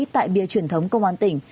tại bia truyền thống công an tỉnh